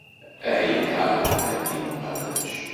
Ahya a ddin uqabac.